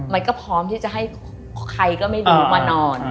มันก็พร้อมที่จะให้ใครก็ไม่รู้มานอน